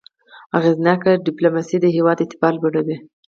اغېزناکه ډيپلوماسي د هېواد اعتبار لوړوي.